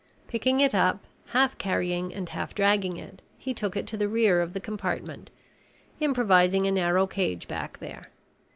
Picking it up, half carrying and half dragging it, he took it to the rear of the compartment, improvising a narrow cage back there.